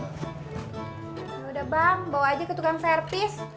yaudah bang bawa aja ke tukang servis